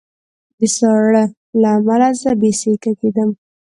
د ساړه له امله زه بې سېکه کېدم